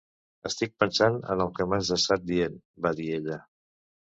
"Estic pensant en el que m'has estat dient", va dir ella.